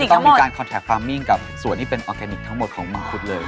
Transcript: ต้องมีการคอนแท็กฟาร์มมิ่งกับส่วนที่เป็นออร์แกนิคทั้งหมดของมังคุดเลย